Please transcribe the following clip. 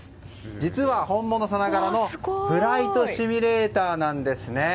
実は、本物さながらのフライトシミュレーターなんです。